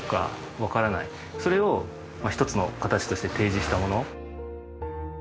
それをひとつの形として提示したもの。